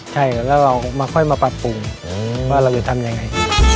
ใช่แล้วเรามาค่อยมาปรับปรุงว่าเราจะทำยังไง